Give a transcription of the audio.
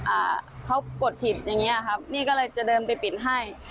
อ่าเขากดผิดอย่างเงี้ยครับนี่ก็เลยจะเดินไปปิดให้